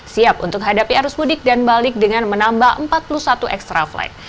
siap untuk hadapi arus mudik dan balik dengan menambah empat puluh satu ekstra flight